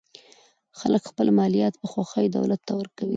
خلک خپل مالیات په خوښۍ دولت ته ورکوي.